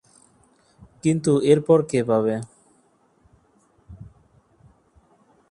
কিন্তু এরপর কে পাবে?